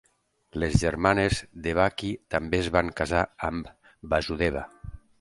Les germanes Devaki també es van casar amb Vasudeva.